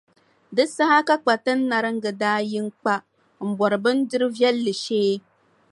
Di saha ka Kpatinariŋga daa yi n-kpa m-bɔri bindirʼ viɛlli shee.